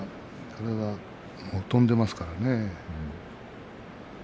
体が飛んでいますからね。